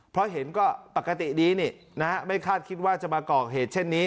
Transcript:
เพราะเห็นก็ปกติดีนี่นะฮะไม่คาดคิดว่าจะมาก่อเหตุเช่นนี้